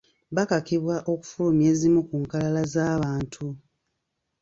Bakakibwa okufulumya ezimu ku nkalala z’abantu.